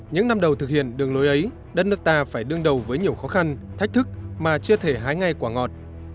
những năm đầu thực hiện đường lối ấy đất nước ta phải đương đầu với nhiều khó khăn thách thức mà chưa thể hái ngay quả ngọt